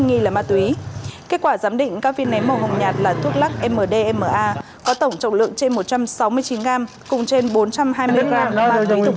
kết quả giám định các viên nén màu hồng nhạt là thuốc lắc mdma có tổng trọng lượng trên một trăm sáu mươi chín g cùng trên bốn trăm hai mươi g ma túy thực hợp